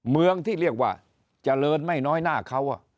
เมืองที่เรียกว่าเจริญไม่น้อยหน้าเขา